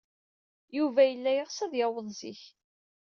Yuba yella yeɣs ad yaweḍ zik.